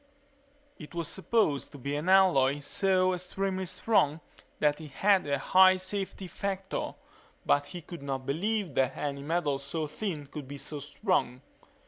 It was supposed to be an alloy so extremely strong that it had a high safety factor but he could not believe that any metal so thin could be so strong.